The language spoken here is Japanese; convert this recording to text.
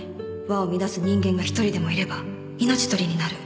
和を乱す人間が一人でもいれば命取りになる